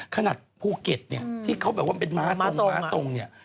ขนาดภูเก็ตเนี่ยที่เขาแบบว่าเป็นม้าทรงม้าทรงเนี่ย